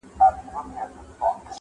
چوپتيا کله کله له هر غږ څخه درنه وي ډېر,